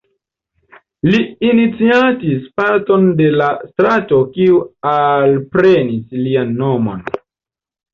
Li iniciatis parton de la strato kiu alprenis lian nomon.